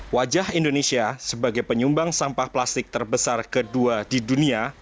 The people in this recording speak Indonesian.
wajah indonesia sebagai penyumbang sampah plastik terbesar kedua di dunia